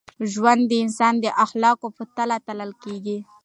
ژوند د انسان د اخلاقو په تله تلل کېږي.